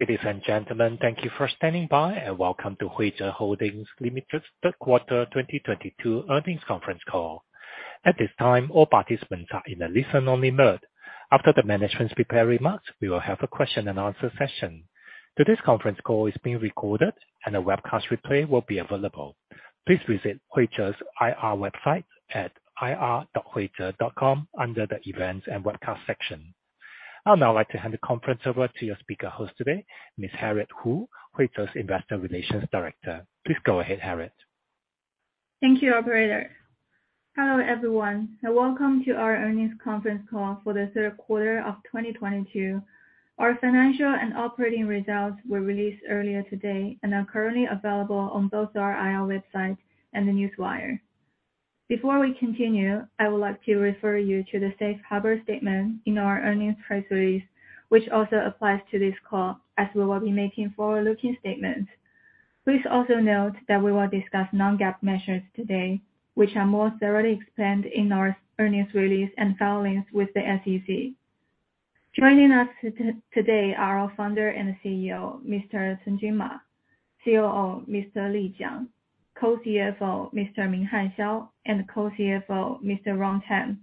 Ladies and gentlemen, thank you for standing by, and welcome to Huize Holding Limited's third quarter 2022 earnings conference call. At this time, all participants are in a listen-only mode. After the management's prepared remarks, we will have a question-and-answer session. Today's conference call is being recorded and a webcast replay will be available. Please visit Huize's IR website at ir.huize.com under the Events and Webcast section. I'd now like to hand the conference over to your speaker host today, Ms. Harriet Hu, Huize's Investor Relations Director. Please go ahead, Harriet. Thank you, operator. Hello, everyone, and welcome to our earnings conference call for the third quarter of 2022. Our financial and operating results were released earlier today and are currently available on both our IR website and the Newswire. Before we continue, I would like to refer you to the safe harbor statement in our earnings press release, which also applies to this call as we will be making forward-looking statements. Please also note that we will discuss non-GAAP measures today, which are more thoroughly explained in our earnings release and filings with the SEC. Joining us today are our founder and CEO, Mr. Cunjun Ma, COO, Mr. Li Jiang, Co-CFO, Mr. Minghan Xiao, and Co-CFO, Mr. Ronald Tam.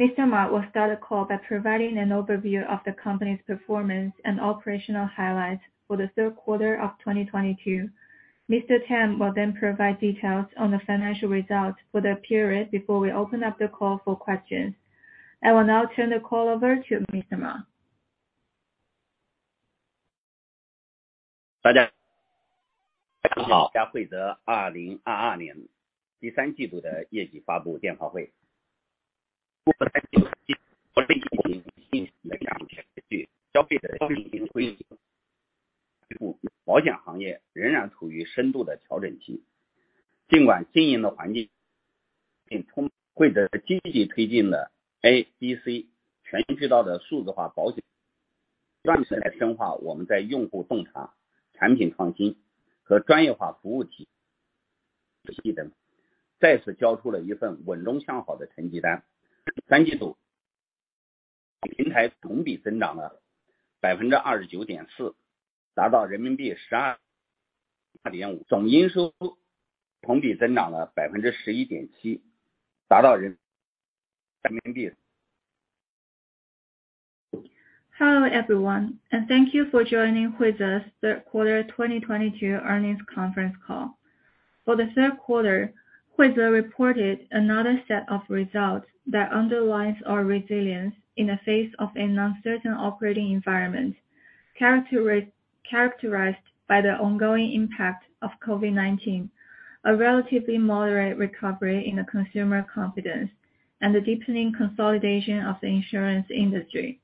Mr. Ma will start the call by providing an overview of the company's performance and operational highlights for the third quarter of 2022. Mr. Ronald Tam will then provide details on the financial results for the period before we open up the call for questions. I will now turn the call over to Mr. Ma. Hello, everyone, and thank you for joining Huize's third quarter 2022 earnings conference call. For the third quarter, Huize reported another set of results that underlies our resilience in the face of an uncertain operating environment characterized by the ongoing impact of COVID-19, a relatively moderate recovery in the consumer confidence, and the deepening consolidation of the insurance industry.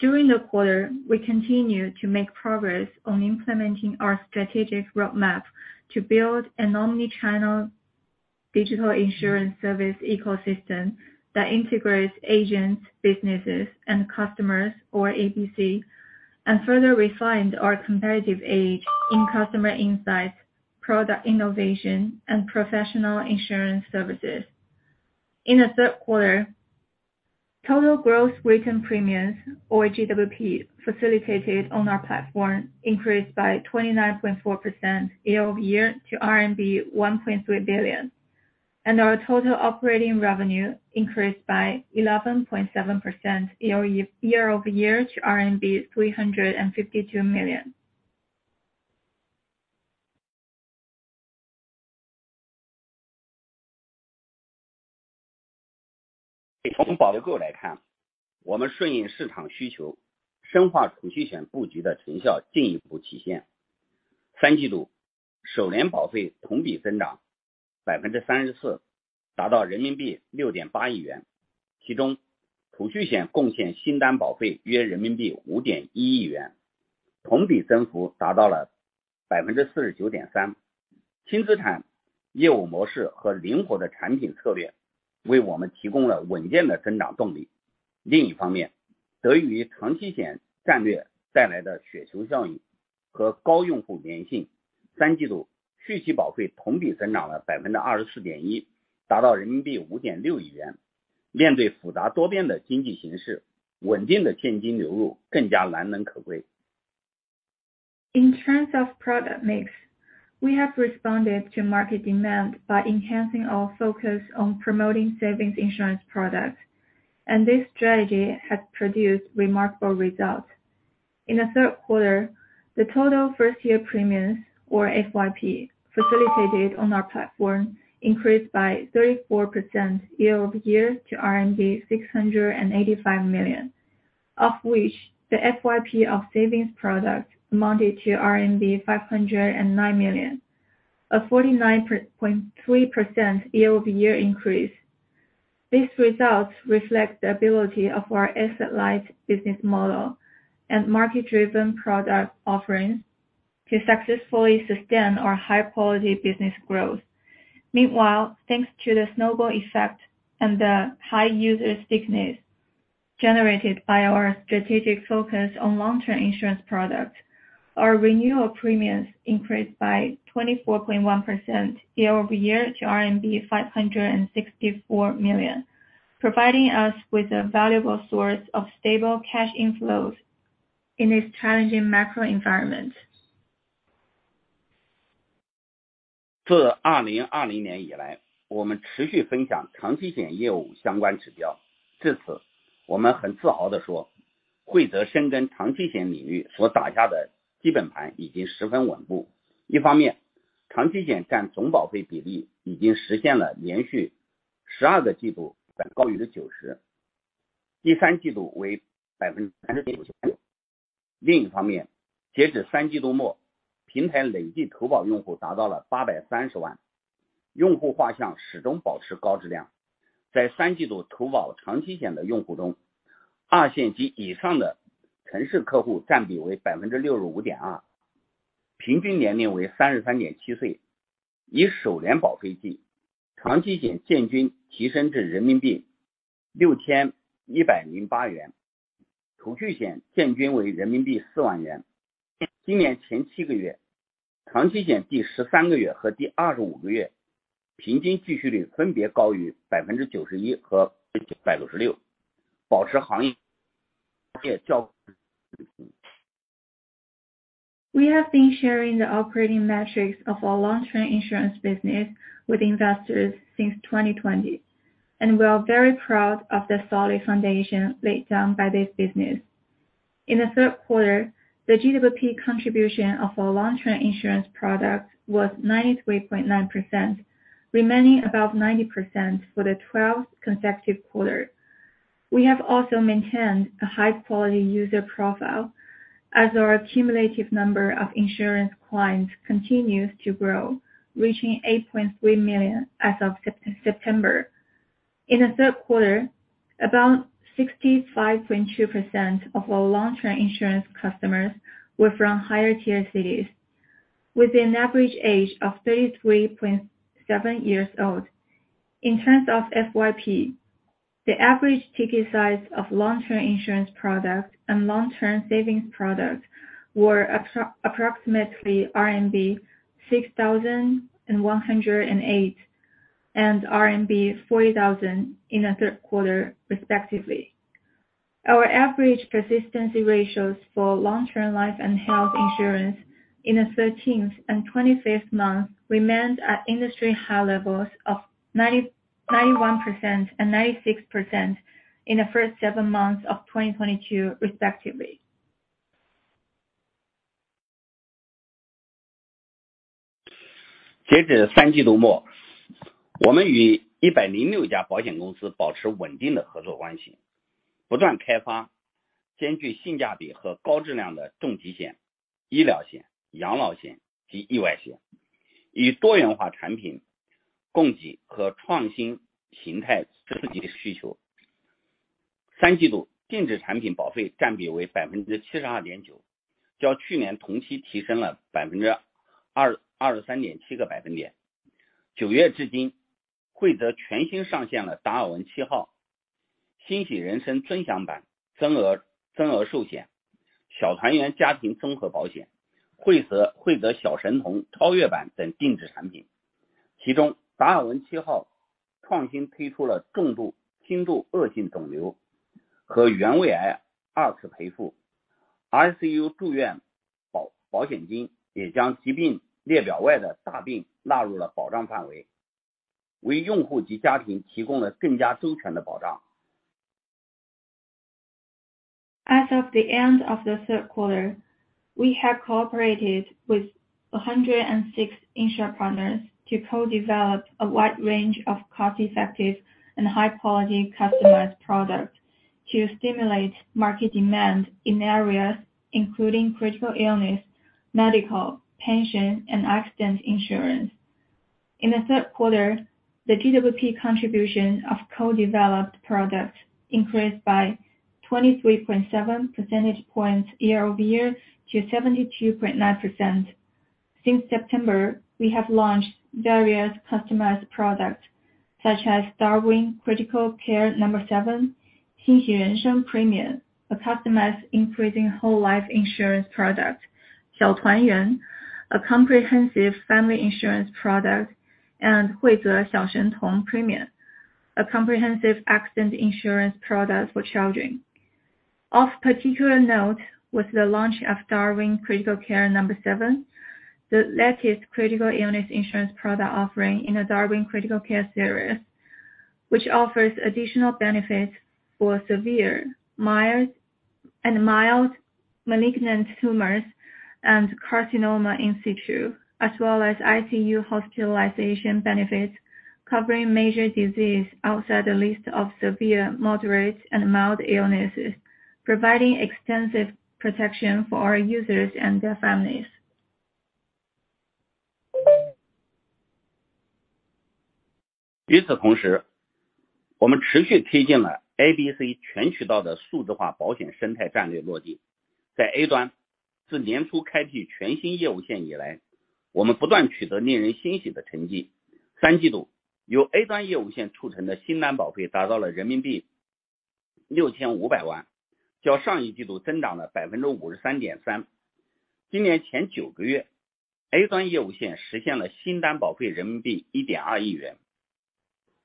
During the quarter, we continued to make progress on implementing our strategic roadmap to build an omni-channel digital insurance service ecosystem that integrates agents, businesses, and customers or ABC, and further refined our competitive edge in customer insights, product innovation, and professional insurance services. In the third quarter, total gross written premiums, or GWP, facilitated on our platform increased by 29.4% year-over-year to RMB 1.3 billion. Our total operating revenue increased by 11.7% year-over-year to RMB 352 million. In terms of product mix, we have responded to market demand by enhancing our focus on promoting savings insurance products, and this strategy has produced remarkable results. In the third quarter, the total first-year premiums, or FYP, facilitated on our platform increased by 34% year-over-year to RMB 685 million, of which the FYP of savings product amounted to RMB 509 million, a 49.3% year-over-year increase. These results reflect the ability of our asset-light business model and market-driven product offerings to successfully sustain our high-quality business growth. Meanwhile, thanks to the snowball effect and the high user stickiness generated by our strategic focus on long-term insurance products, our renewal premiums increased by 24.1% year-over-year to RMB 564 million. Providing us with a valuable source of stable cash inflows in this challenging macro environment. We have been sharing the operating metrics of our long term insurance business with investors since 2020. We are very proud of the solid foundation laid down by this business. In the third quarter, the GWP contribution of our long term insurance product was 93.9%, remaining above 90% for the 12th consecutive quarter. We have also maintained a high quality user profile as our cumulative number of insurance clients continues to grow, reaching 8.3 million as of September. In the third quarter, about 65.2% of our long term insurance customers were from higher tier cities with an average age of 33.7 years old. In terms of FYP, the average ticket size of long term insurance products and long term savings products were approximately RMB 6,108 and RMB 40,000 in the third quarter, respectively. Our average persistency ratios for long term life and health insurance in the 13th and 25th month remained at industry high levels of 91% and 96% in the first seven months of 2022, respectively. As of the end of the third quarter, we have cooperated with 106 insurer partners to co-develop a wide range of cost-effective and high-quality customized products to stimulate market demand in areas including critical illness, medical, pension, and accident insurance. In the third quarter, the GWP contribution of co-developed products increased by 23.7 percentage points year-over-year to 72.9%. Since September, we have launched various customized products such as Darwin Critical Care No. 7, 欣喜人生 Premium, a customized increasing whole life insurance product. 小团圆, a comprehensive family insurance product, and 惠择小神童 Premium, a comprehensive accident insurance product for children. Of particular note was the launch of Darwin Critical Care No. 7, the latest critical illness insurance product offering in the Darwin Critical Care Series, which offers additional benefits for severe, mild, and mild malignant tumors and carcinoma in situ, as well as ICU hospitalization benefits covering major disease outside the list of severe, moderate, and mild illnesses, providing extensive protection for our users and their families.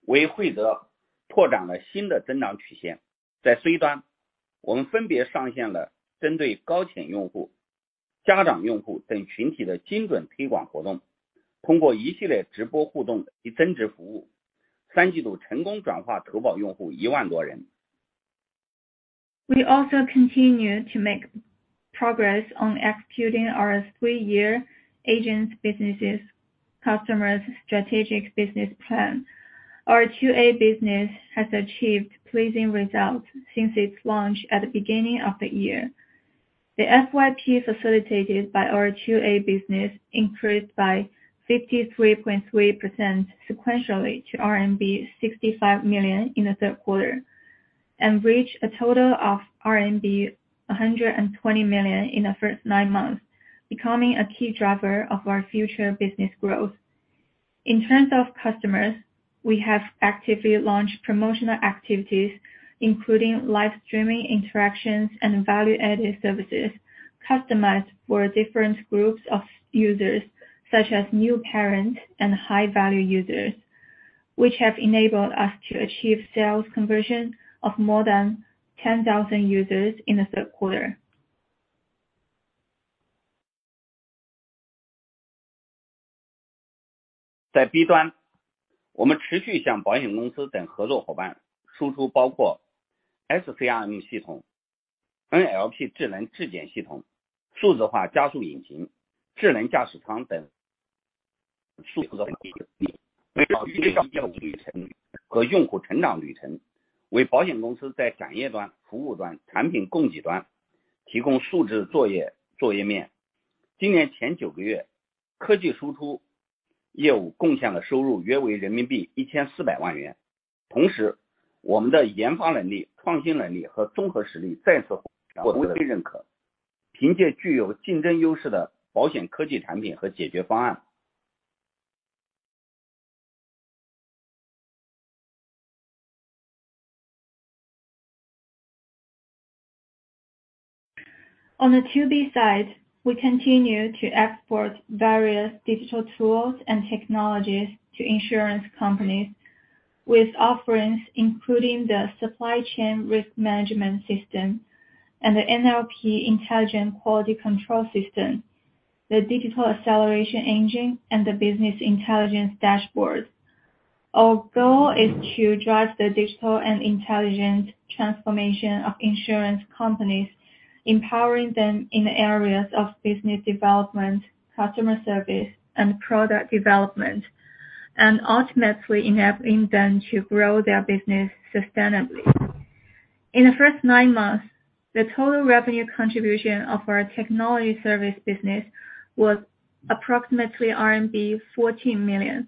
We also continue to make progress on executing our three-year agents businesses customers strategic business plan. Our 2A business has achieved pleasing results since its launch at the beginning of the year. The FYP facilitated by our 2A business increased by 53.3% sequentially to RMB 65 million in the third quarter and reached a total of RMB 120 million in the first nine months, becoming a key driver of our future business growth. In terms of customers, we have actively launched promotional activities including live streaming interactions and value added services customized for different groups of users, such as new parent and high value users, which have enabled us to achieve sales conversion of more than 10,000 users in the third quarter. On the 2B side, we continue to export various digital tools and technologies to insurance companies with offerings including the supply chain risk management system and the NLP intelligent quality control system, the digital acceleration engine and the business intelligence dashboard. Our goal is to drive the digital and intelligent transformation of insurance companies, empowering them in areas of business development, customer service and product development, and ultimately enabling them to grow their business sustainably. In the first nine months, the total revenue contribution of our technology service business was approximately RMB 14 million.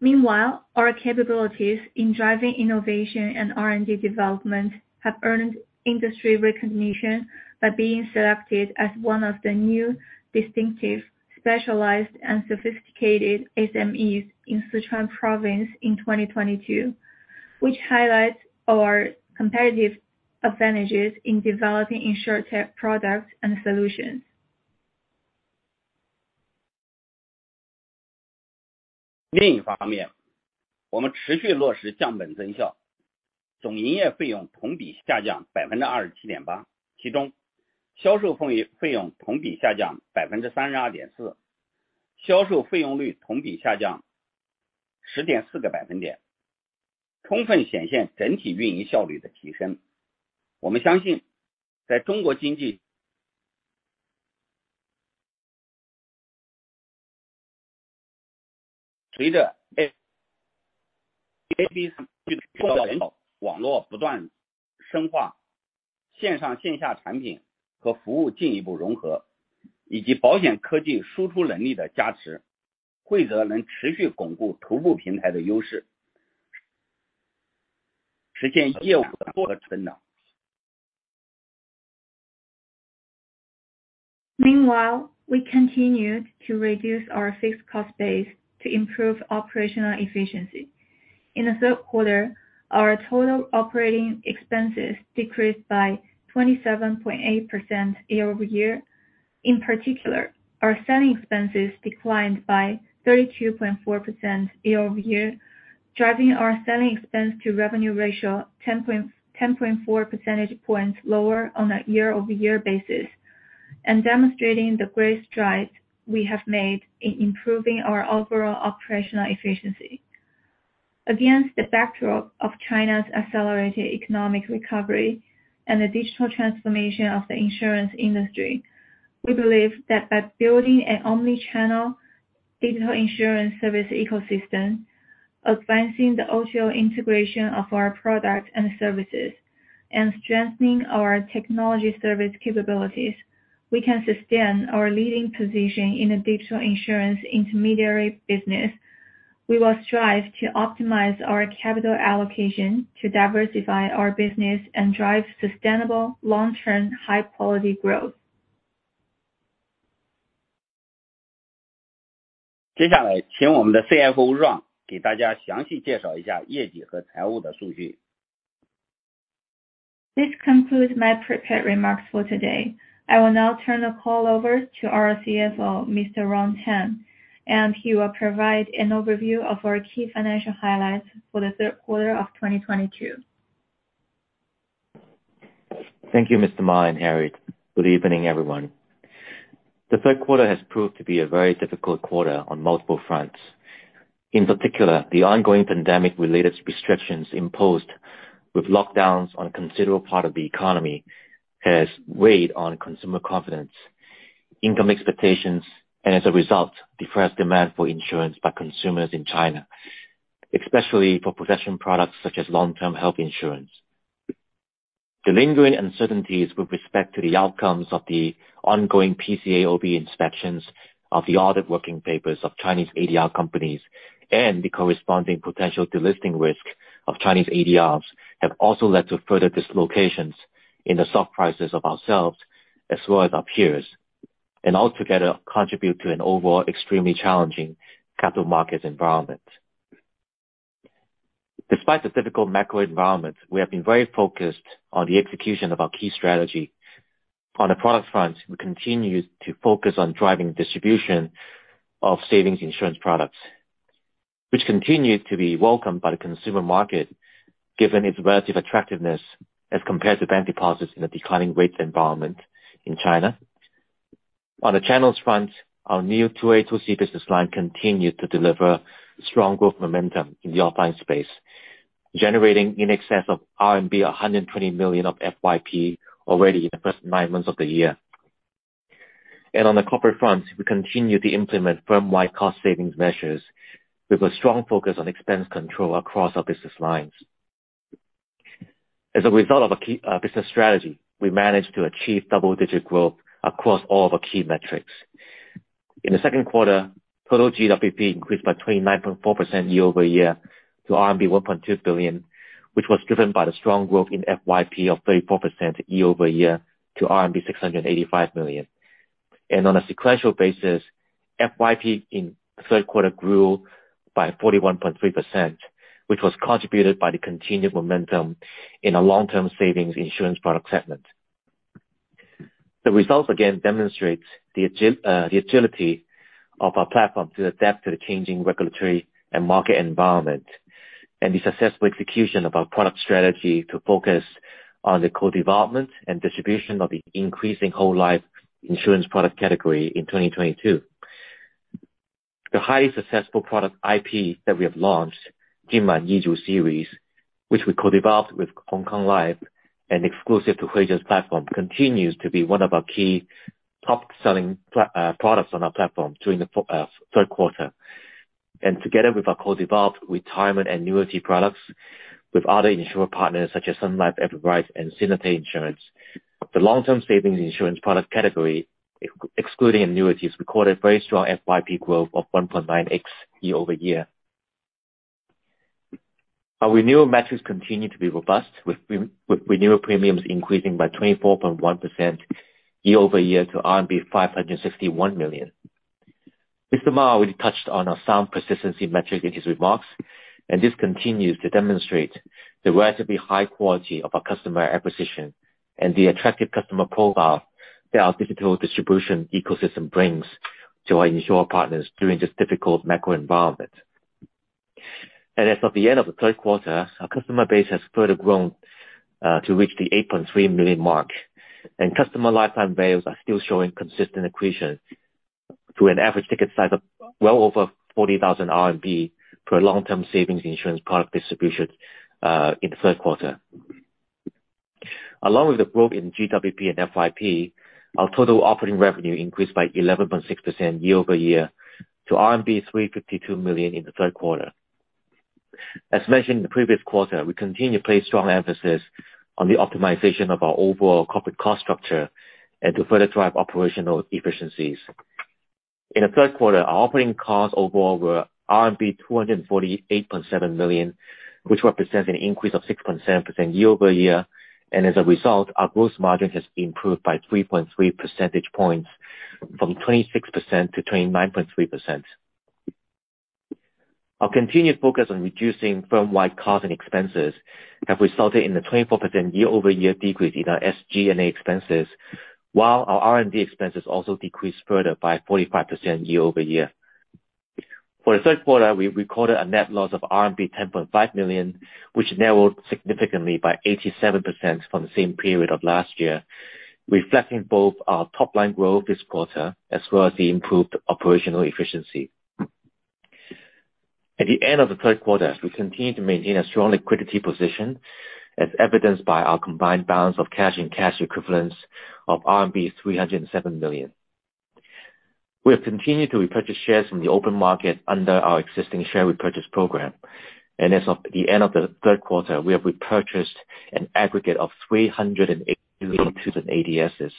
Meanwhile, our capabilities in driving innovation and R&D development have earned industry recognition by being selected as one of the new distinctive, specialized and sophisticated SMEs in Sichuan province in 2022, which highlights our competitive advantages in developing insurtech products and solutions. Meanwhile, we continued to reduce our fixed cost base to improve operational efficiency. In the third quarter, our total operating expenses decreased by 27.8% year-over-year. In particular, our selling expenses declined by 32.4% year-over-year, driving our selling expense to revenue ratio 10.4 percentage points lower on a year-over-year basis and demonstrating the great strides we have made in improving our overall operational efficiency. Against the backdrop of China's accelerated economic recovery and the digital transformation of the insurance industry, we believe that by building an omni-channel digital insurance service ecosystem, advancing the O2O integration of our products and services, and strengthening our technology service capabilities, we can sustain our leading position in the digital insurance intermediary business. We will strive to optimize our capital allocation to diversify our business and drive sustainable long-term, high-quality growth. This concludes my prepared remarks for today. I will now turn the call over to our CFO, Mr. Ronald Tam, and he will provide an overview of our key financial highlights for the third quarter of 2022. Thank you, Mr. Ma and Harriet. Good evening, everyone. The third quarter has proved to be a very difficult quarter on multiple fronts. In particular, the ongoing pandemic-related restrictions imposed with lockdowns on a considerable part of the economy has weighed on consumer confidence, income expectations, and as a result, depressed demand for insurance by consumers in China, especially for protection products such as long-term health insurance. The lingering uncertainties with respect to the outcomes of the ongoing PCAOB inspections of the audit working papers of Chinese ADR companies and the corresponding potential delisting risk of Chinese ADRs, have also led to further dislocations in the stock prices of ours, as well as our peers, and altogether contribute to an overall extremely challenging capital markets environment. Despite the difficult macro environment, we have been very focused on the execution of our key strategy. On the product front, we continue to focus on driving distribution of savings insurance products, which continue to be welcomed by the consumer market, given its relative attractiveness as compared to bank deposits in a declining rate environment in China. On the channels front, our new 2A 2C business line continued to deliver strong growth momentum in the offline space, generating in excess of RMB 120 million of FYP already in the first nine months of the year. On the corporate front, we continue to implement firm-wide cost savings measures with a strong focus on expense control across our business lines. As a result of our key business strategy, we managed to achieve double-digit growth across all of our key metrics. In the second quarter, total GWP increased by 29.4% year-over-year to RMB 1.2 billion, which was driven by the strong growth in FYP of 34% year-over-year to RMB 685 million. On a sequential basis, FYP in the third quarter grew by 41.3%, which was contributed by the continued momentum in our long-term savings insurance product segment. The results again demonstrates the agility of our platform to adapt to the changing regulatory and market environment, and the successful execution of our product strategy to focus on the co-development and distribution of the increasing whole life insurance product category in 2022. The highly successful product IP that we have launched, Jin Man Yi Zu series, which we co-developed with Hong Kong Life and exclusive to Huize's platform, continues to be one of our key top selling products on our platform during the third quarter. Together with our co-developed retirement annuity products with other insurer partners such as Sun Life Everbright Life Insurance and Sinatay Insurance. The long-term savings insurance product category, excluding annuities, recorded very strong FYP growth of 1.9x year-over-year. Our renewal metrics continue to be robust, with renewal premiums increasing by 24.1% year-over-year to RMB 561 million. Mr. Ma already touched on our sound persistency metric in his remarks, and this continues to demonstrate the relatively high quality of our customer acquisition and the attractive customer profile that our digital distribution ecosystem brings to our insurer partners during this difficult macro environment. As of the end of the third quarter, our customer base has further grown to reach the 8.3 million mark, and customer lifetime values are still showing consistent accretion to an average ticket size of well over 40,000 RMB per long-term savings insurance product distribution in the third quarter. Along with the growth in GWP and FYP, our total operating revenue increased by 11.6% year-over-year to RMB 352 million in the third quarter. As mentioned in the previous quarter, we continue to place strong emphasis on the optimization of our overall corporate cost structure and to further drive operational efficiencies. In the third quarter, our operating costs overall were RMB 248.7 million, which represents an increase of 6.7% year-over-year. As a result, our gross margin has improved by 3.3 percentage points from 26% to 29.3%. Our continued focus on reducing firm-wide costs and expenses have resulted in the 24% year-over-year decrease in our SG&A expenses, while our R&D expenses also decreased further by 45% year-over-year. For the third quarter, we recorded a net loss of RMB 10.5 million, which narrowed significantly by 87% from the same period of last year, reflecting both our top line growth this quarter as well as the improved operational efficiency. At the end of the third quarter, we continue to maintain a strong liquidity position, as evidenced by our combined balance of cash and cash equivalents of RMB 307 million. We have continued to repurchase shares from the open market under our existing share repurchase program. As of the end of the third quarter, we have repurchased an aggregate of 382 ADSs.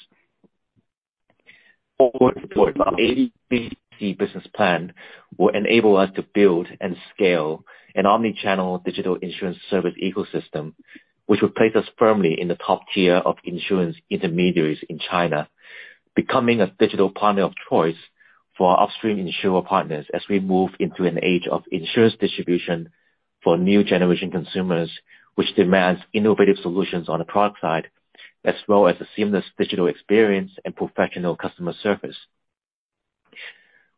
Our ABC business plan will enable us to build and scale an omni-channel digital insurance service ecosystem, which will place us firmly in the top tier of insurance intermediaries in China. Becoming a digital partner of choice for our upstream insurer partners as we move into an age of insurance distribution for new generation consumers, which demands innovative solutions on the product side, as well as a seamless digital experience and professional customer service.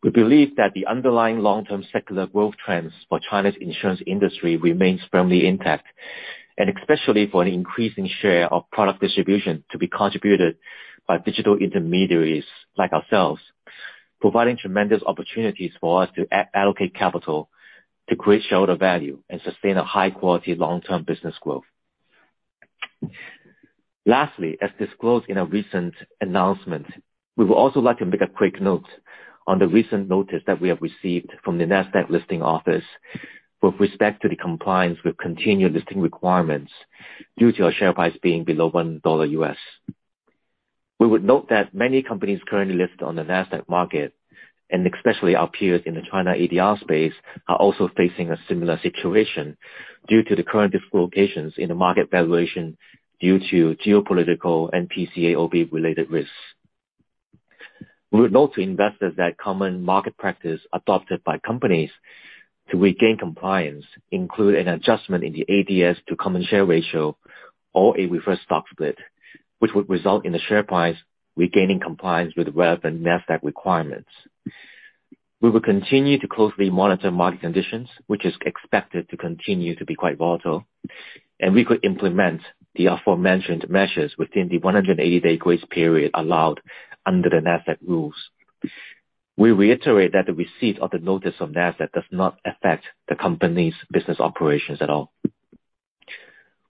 We believe that the underlying long-term secular growth trends for China's insurance industry remains firmly intact, and especially for an increasing share of product distribution to be contributed by digital intermediaries like ourselves, providing tremendous opportunities for us to allocate capital to create shareholder value and sustain a high quality long-term business growth. Lastly, as disclosed in a recent announcement, we would also like to make a quick note on the recent notice that we have received from the Nasdaq listing office with respect to the compliance with continued listing requirements due to our share price being below $1. We would note that many companies currently listed on the Nasdaq market, and especially our peers in the China ADR space, are also facing a similar situation due to the current dislocations in the market valuation due to geopolitical and PCAOB-related risks. We would note to investors that common market practice adopted by companies to regain compliance include an adjustment in the ADS to common share ratio or a reverse stock split, which would result in the share price regaining compliance with relevant Nasdaq requirements. We will continue to closely monitor market conditions, which is expected to continue to be quite volatile, and we could implement the aforementioned measures within the 180-day grace period allowed under the Nasdaq rules. We reiterate that the receipt of the notice from Nasdaq does not affect the company's business operations at all.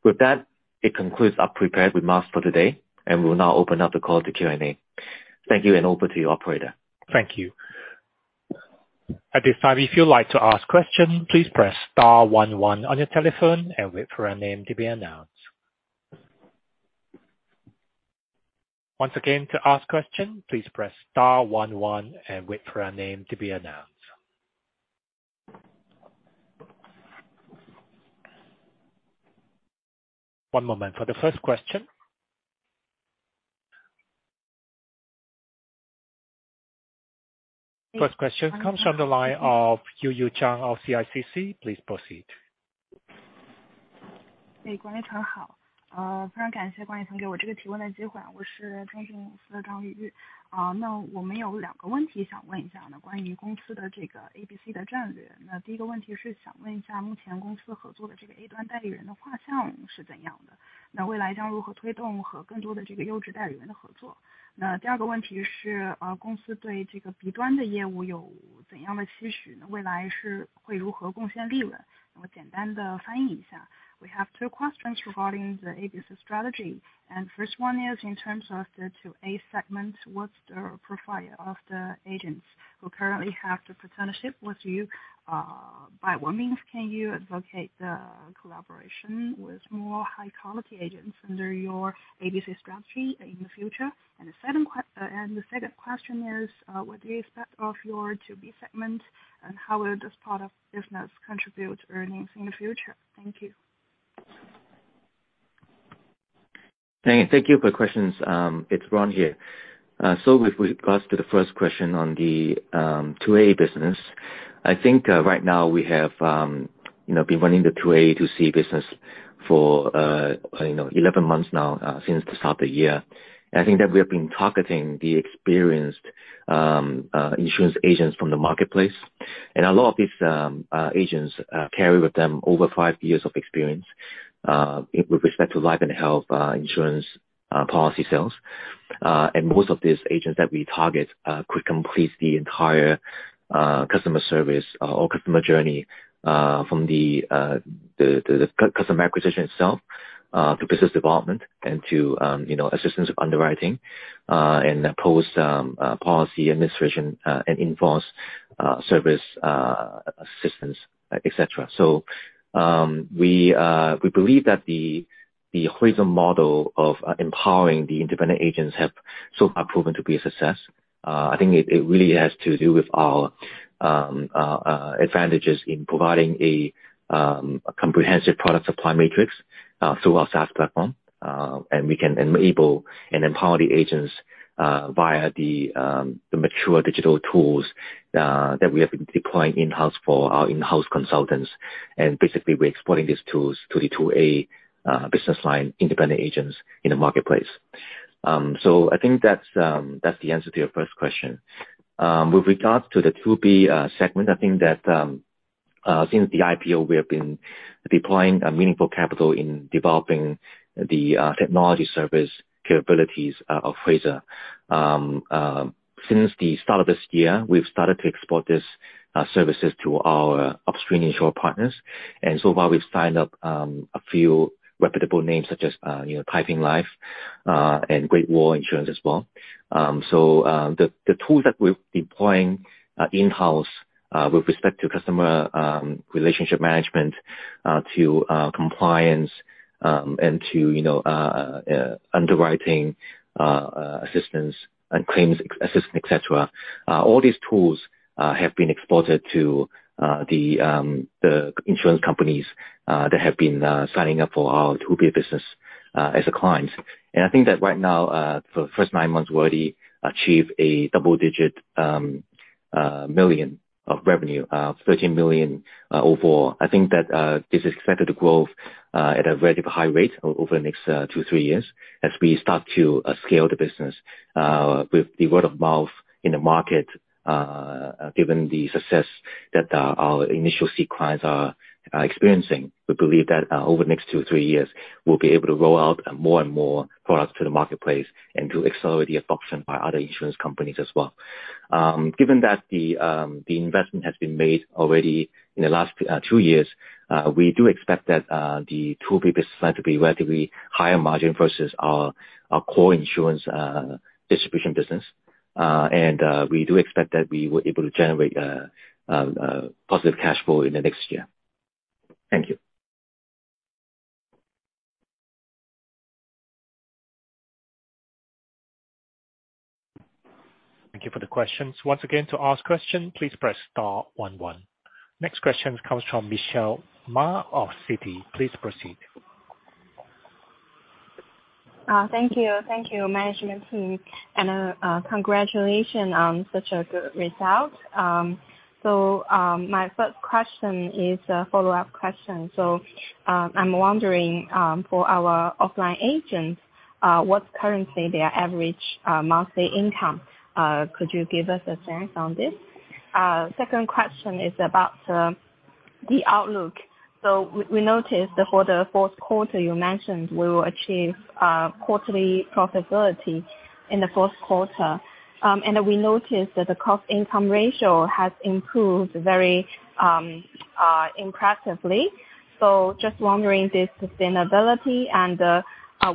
With that, it concludes our prepared remarks for today, and we'll now open up the call to Q&A. Thank you, and over to you, operator. Thank you. At this time, if you'd like to ask question, please press star one one on your telephone and wait for your name to be announced. Once again, to ask question, please press star one one and wait for your name to be announced. One moment for the first question. First question comes from the line of Yuyu Zhang of CICC. Please proceed. We have two questions regarding the ABC strategy. First one is in terms of the 2A segment. What's the profile of the agents who currently have the partnership with you? By what means can you advocate the collaboration with more high-quality agents under your ABC strategy in the future? The second question is, what's the effect of your 2B segment, and how will this part of business contribute earnings in the future? Thank you. Thank you for questions. It's Ron here. With regards to the first question on the 2A business, I think right now we have, you know, been running the 2A, 2C business for, you know, 11 months now since the start of the year. I think that we have been targeting the experienced insurance agents from the marketplace. A lot of these agents carry with them over five years of experience with respect to life and health insurance policy sales. Most of these agents that we target could complete the entire customer service or customer journey from the customer acquisition itself to business development and to, you know, assistance with underwriting and post-policy administration and in-force service assistance, etc. We believe that the Huize model of empowering the independent agents has so far proven to be a success. I think it really has to do with our advantages in providing a comprehensive product supply matrix through our SaaS platform. We can enable and empower the agents via the mature digital tools that we have been deploying in-house for our in-house consultants. Basically, we're exporting these tools to the 2A business line independent agents in the marketplace. So I think that's the answer to your first question. With regards to the 2B segment, I think that since the IPO, we have been deploying meaningful capital in developing the technology service capabilities of Huize. Since the start of this year, we've started to export these services to our upstream insurer partners. So far, we've signed up a few reputable names such as, you know, Ping An Life and Great Wall Insurance as well. The tools that we're deploying in-house with respect to customer relationship management, to compliance, and to, you know, underwriting assistance and claims assistance, etc. All these tools have been exported to the insurance companies that have been signing up for our 2B business as a client. I think that right now, for the first 9 months we've already achieved a double-digit million of revenue, 13 million overall. I think that this is expected to grow at a very high rate over the next 2-3 years as we start to scale the business with the word of mouth in the market, given the success that our initial seed clients are experiencing. We believe that over the next 2 or 3 years, we'll be able to roll out more and more products to the marketplace and to accelerate the adoption by other insurance companies as well. Given that the investment has been made already in the last two years, we do expect that the tool will be relatively higher-margin versus our core insurance distribution business. We do expect that we will be able to generate positive cash flow in the next year. Thank you. Thank you for the questions. Once again, to ask question, please press star one one. Next question comes from Michelle Ma of Citi. Please proceed. Thank you. Thank you management team, and congratulations on such a good result. My first question is a follow-up question. I'm wondering, for our offline agents, what's currently their average monthly income? Second question is about the outlook. We noticed that for the fourth quarter, you mentioned we will achieve quarterly profitability in the fourth quarter. We noticed that the cost-income ratio has improved very impressively. Just wondering the sustainability and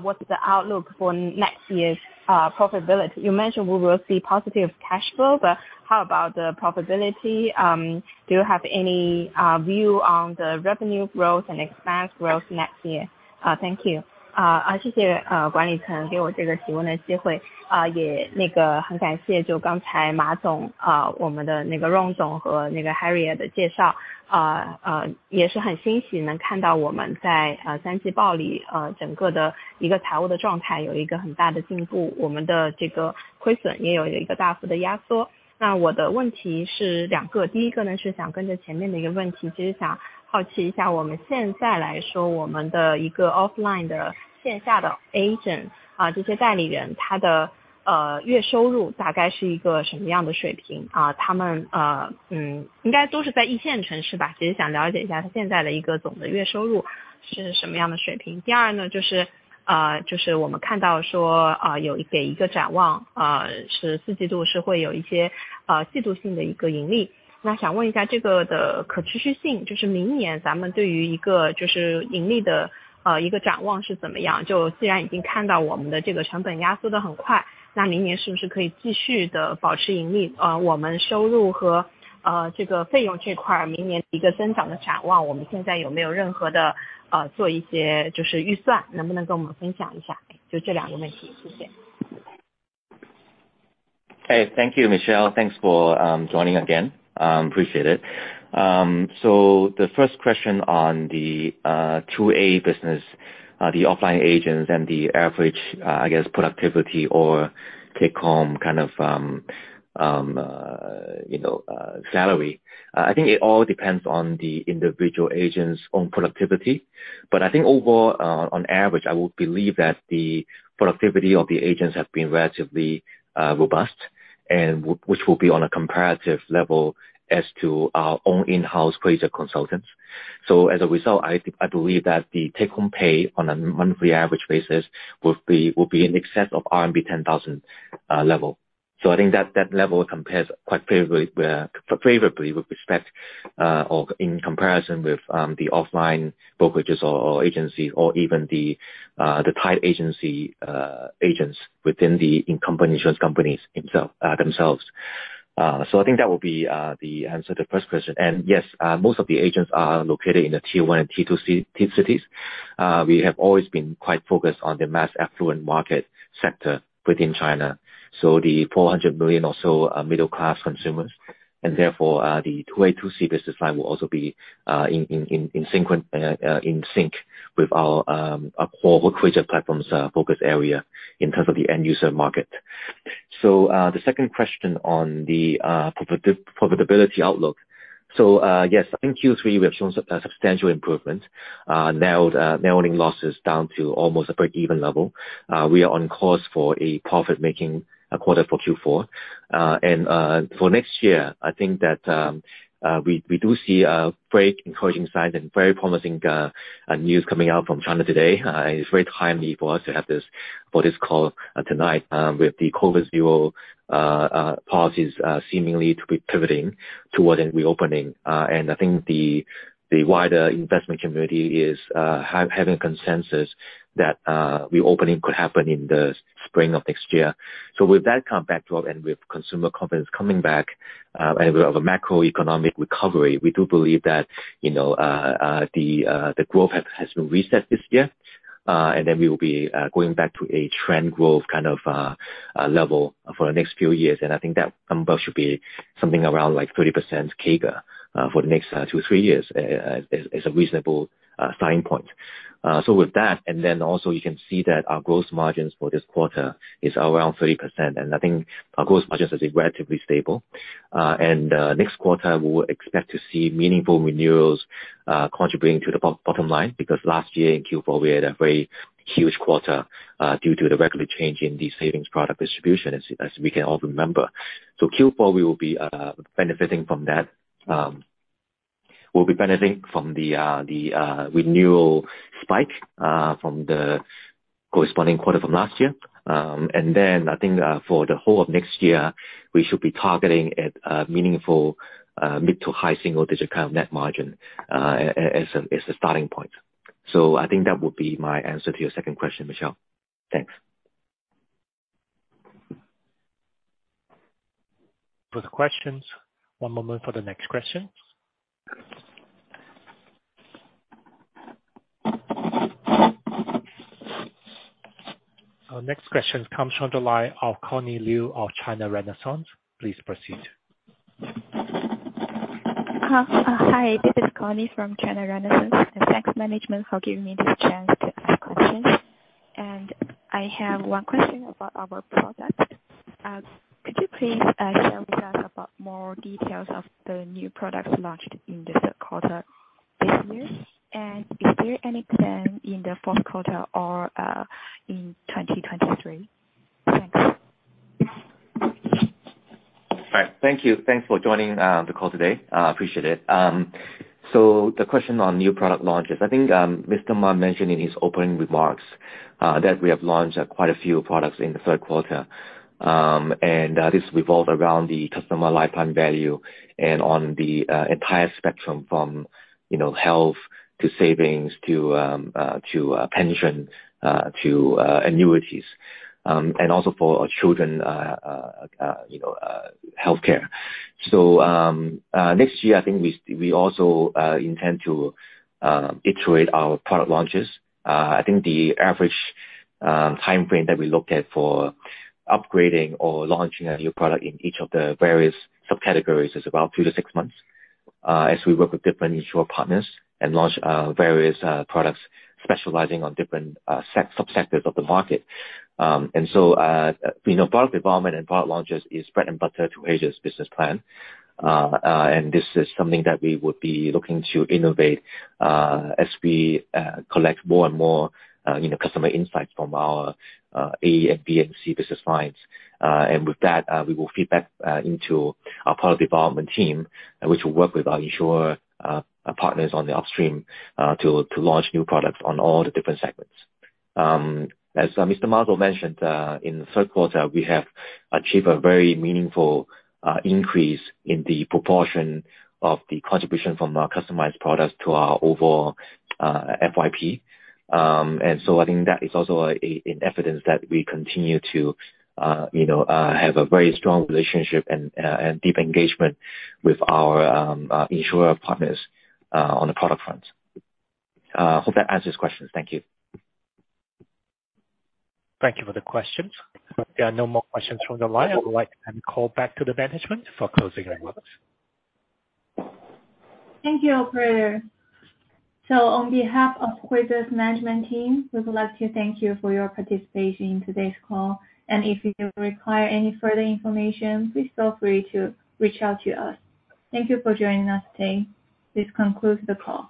what is the outlook for next year's profitability. You mentioned we will see positive cash flow, but how about the profitability? Do you have any view on the revenue growth and expense growth next year? Thank you. Hey, thank you, Michelle. Thanks for joining again. Appreciate it. The first question on the 2A business, the offline agents and the average, I guess, productivity or take-home kind of, you know, salary. I think it all depends on the individual agent's own productivity. I think overall, on average, I would believe that the productivity of the agents have been relatively robust and which will be on a comparative level as to our own in-house cruiser consultants. As a result, I believe that the take-home pay on a monthly average basis will be in excess of RMB 10,000 level. I think that level compares quite favorably with respect or in comparison with the offline brokerages or agencies or even the tied agency agents within the insurance companies themselves. I think that would be the answer to the first question. Yes, most of the agents are located in the tier 1 and tier 2 cities. We have always been quite focused on the mass affluent market sector within China. The 400 million or so middle-class consumers and therefore the 2A, 2C business line will be in sync with our core business platforms focus area in terms of the end user market. The second question on the profitability outlook. Yes, I think Q3 we have shown substantial improvement, nailing losses down to almost a break-even level. We are on course for a profit-making quarter for Q4. For next year, I think that we do see a very encouraging sign and very promising news coming out from China today. It's very timely for us to have this call tonight, with the COVID zero policies seemingly to be pivoting toward a reopening. I think the wider investment community is having consensus that reopening could happen in the spring of next year. With that kind of backdrop and with consumer confidence coming back, and with a macroeconomic recovery, we do believe that, you know, the growth has been reset this year, and then we will be going back to a trend growth kind of level for the next few years. I think that number should be something around like 30% CAGR for the next two, three years is a reasonable starting point. you can see that our growth margins for this quarter is around 30%, and I think our growth margins is relatively stable. Next quarter, we will expect to see meaningful renewals contributing to the bottom line, because last year in Q4, we had a very huge quarter due to the regulatory change in the savings product distribution, as we can all remember. Q4, we will be benefiting from that. We'll be benefiting from the renewal spike from the corresponding quarter from last year. For the whole of next year, we should be targeting at a meaningful mid- to high-single-digit kind of net margin, as a starting point. I think that would be my answer to your second question, Michelle. Thanks. For the questions. One moment for the next question. Our next question comes from the line of Bonnie Liu of China Renaissance. Please proceed. Hi, this is Bonnie Liu from China Renaissance. Thanks, management, for giving me this chance to ask questions. I have one question about your product. Could you please share with us more details about the new products launched in the third quarter this year? Is there any plan in the fourth quarter or in 2023? Thanks. All right. Thank you. Thanks for joining the call today. I appreciate it. The question on new product launches, I think, Mr. Ma mentioned in his opening remarks that we have launched quite a few products in the third quarter. This revolved around the customer lifetime value and on the entire spectrum from, you know, health to savings to pension to annuities. Also for our children, you know, healthcare. Next year, I think we also intend to iterate our product launches. I think the average timeframe that we look at for upgrading or launching a new product in each of the various subcategories is about 3-6 months, as we work with different insurer partners and launch various products specializing on different subsectors of the market. You know, product development and product launches is bread and butter to Huize's business plan. This is something that we would be looking to innovate, as we collect more and more, you know, customer insights from our A, B, and C business lines. With that, we will feed back into our product development team, which will work with our insurer partners on the upstream, to launch new products on all the different segments. As Mr. Ma also mentioned, in the third quarter, we have achieved a very meaningful increase in the proportion of the contribution from our customized products to our overall FYP. I think that is also in evidence that we continue to you know have a very strong relationship and deep engagement with our insurer partners on the product front. Hope that answers questions. Thank you. Thank you for the questions. There are no more questions from the line. I would like to call back to the management for closing remarks. Thank you, operator. On behalf of Huize's management team, we would like to thank you for your participation in today's call. If you require any further information, please feel free to reach out to us. Thank you for joining us today. This concludes the call.